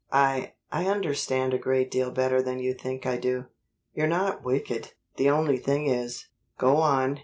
"I I understand a great deal better than you think I do. You're not wicked. The only thing is " "Go on.